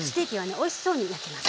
おいしそうに焼けます。